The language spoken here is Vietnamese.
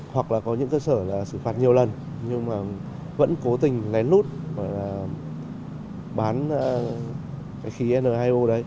hoặc là có những cơ sở đã bị sự phạt nhiều lần nhưng vẫn cố tình lén lút bán khí n hai o